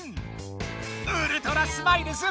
ウルトラスマイルズ